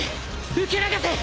受け流せ！